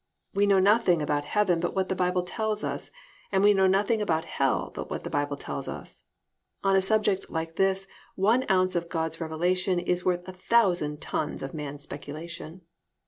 We know nothing about heaven but what the Bible tells us, and we know nothing about hell but what the Bible tells us. On a subject like this one ounce of God's revelation is worth a thousand tons of man's speculation.